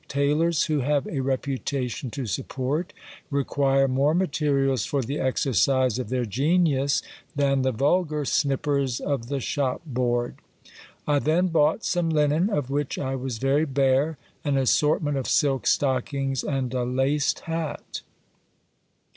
Tailors who have a reputation to support require more materials for the exercise of their genius than the vulgar snippers of the shopboard. I then bought some linen, of which I was very bare ; an assortment of silk stockings, and a laced hat.